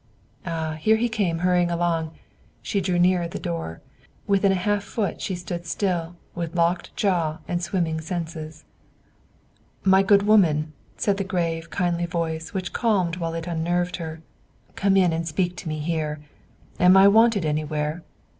Ah, here he came hurrying along; she drew nearer the door; within a half foot she stood still with locked jaw and swimming senses. "My good woman," said the grave, kindly voice which calmed while it unnerved her, "come in and speak to me here. Am I wanted anywhere?